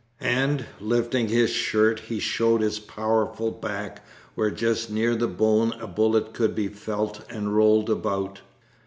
And lifting his shirt he showed his powerful back, where just near the bone a bullet could be felt and rolled about.